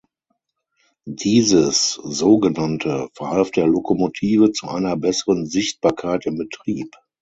Dieses sogenannte verhalf der Lokomotive zu einer besseren Sichtbarkeit im Betrieb.